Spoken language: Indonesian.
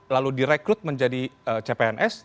lalu direkrut menjadi cpns